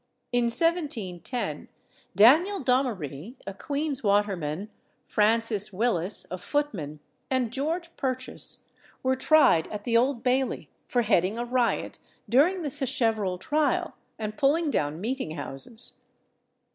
In 1710 Daniel Dommaree, a queen's waterman, Francis Willis, a footman, and George Purchase, were tried at the Old Bailey for heading a riot during the Sacheverell trial and pulling down meeting houses.